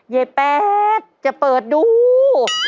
เย้แป๊บจะเปิดดู